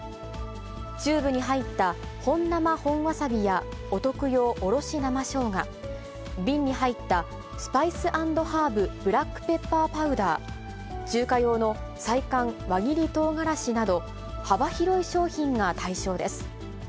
チューブに入った本生本わさびやお徳用おろし生しょうが、瓶に入ったＳ＆Ｂブラックペッパーパウダー、中華用の菜館輪切り唐辛子など、幅広い商品が対象です。